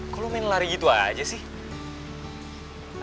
kok lo main lari gitu aja sih